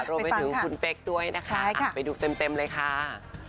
รวมไปถึงคุณเป๊กด้วยนะคะไปดูเต็มเลยค่ะ